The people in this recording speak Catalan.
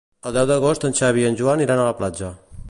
El deu d'agost en Xavi i en Joan iran a la platja.